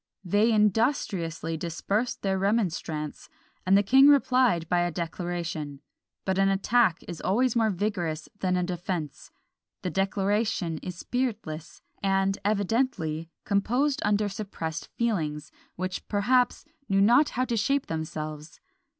They industriously dispersed their remonstrance, and the king replied by a declaration; but an attack is always more vigorous than a defence. The declaration is spiritless, and evidently composed under suppressed feelings, which, perhaps, knew not how to shape themselves.